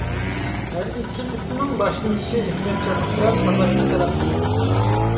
ھەر ئىككىلىسىنىڭ باشلىنىشى ئېھتىياتچانلىق بىلەن تاللاشنى تەلەپ قىلىدۇ.